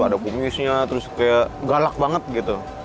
ada coomisnya terus kayak galak banget gitu